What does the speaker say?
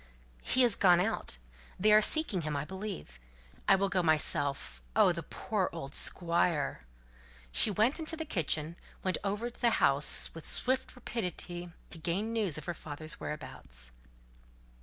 "He is gone out. They are seeking him, I believe. I will go myself. Oh! the poor old Squire!" She went into the kitchen went over the house with swift rapidity to gain news of her father's whereabouts.